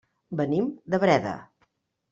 Venim de Breda.